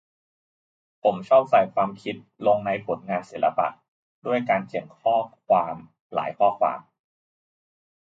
ผมชอบใส่ความคิดลงในผลงานศิลปะ ด้วยการเขียนข้อความหลายข้อความ